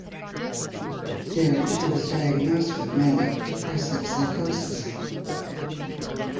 There she was diagnosed with "manic depressive psychosis".